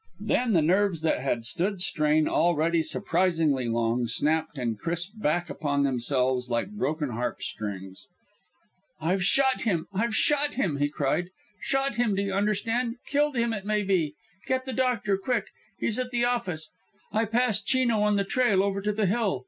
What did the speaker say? Then the nerves that had stood strain already surprisingly long snapped and crisped back upon themselves like broken harp strings. "I've shot him! I've shot him!" he cried. "Shot him, do you understand? Killed him, it may be. Get the doctor, quick! He's at the office. I passed Chino on the trail over to the Hill.